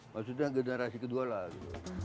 maksudnya generasi kedua lah gitu